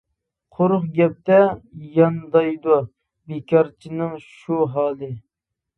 قۇرۇق گەپتە ياندايدۇ، بىكارچىنىڭ شۇ ھالى.